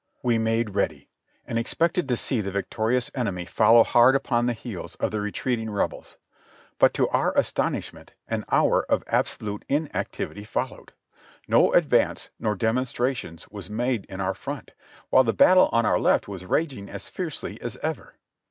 We made ready, and expected to see the victorious enemy fol low hard upon the heels of the retreating Rebels, but to our as tonishment an hour of absolute inactivity followed; no advance nor demonstrations was made in our front, while the battle on our left was raging as fiercely as ever.